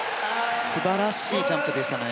素晴らしいジャンプでしたね。